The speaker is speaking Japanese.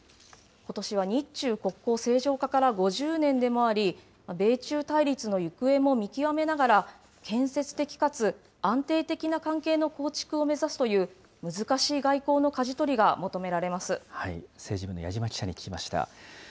ことしは日中国交正常化から５０年でもあり、米中対立の行方も見極めながら、建設的かつ安定的な関係の構築を目指すという難しい外交のかじ取政治部の矢島記者に聞きました。